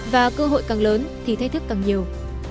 và cơ hội càng lớn thì thách thức càng nhiều